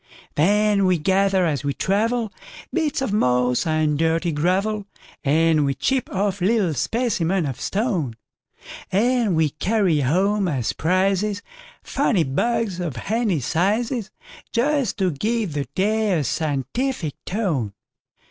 Then we gather as we travel, Bits of moss and dirty gravel, And we chip off little specimens of stone; And we carry home as prizesFunny bugs, of handy sizes, Just to give the day a scientific tone.